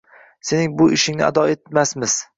Sening bu ishingni ado etmasmiz!